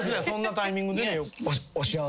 そんなタイミングでね。